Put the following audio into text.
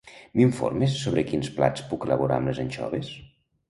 M'informes sobre quins plats puc elaborar amb les anxoves?